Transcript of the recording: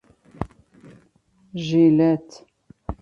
ژیلت